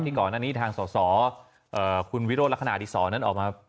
ก่อนอันนี้ทางสอสอคุณวิโรธลักษณะอดีศรนั้นออกมา